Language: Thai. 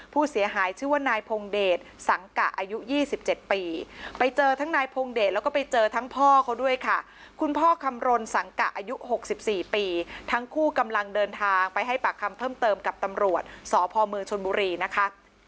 ผู้เสียหายชื่อว่านายพงเดชสังกะอายุ๒๗ปีไปเจอทั้งนายพงเดชแล้วก็ไปเจอทั้งพ่อเขาด้วยค่ะคุณพ่อคำรณสังกะอายุ๖๔ปีทั้งคู่กำลังเดินทางไปให้ปากคำเพิ่มเติมกับตำรวจสพเมืองชนบุรีนะคะ